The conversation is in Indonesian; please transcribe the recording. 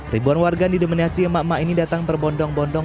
ribuan warga yang didominasi emak emak ini datang berbondong bondong